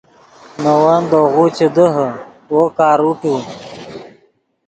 نے ون دے غو چے دیہے وو کاروٹو